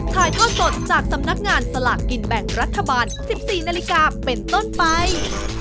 ถ่ายทอดสดจากสำนักงานสลากกินแบ่งรัฐบาล๑๔นาฬิกาเป็นต้นไป